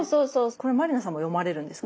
これ満里奈さんも読まれるんですか？